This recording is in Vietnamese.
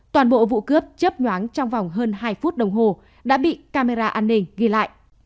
toàn bộ vụ cướp chớp nhoáng trong vòng hơn hai phút đồng hồ đã bị camera an ninh ghi lại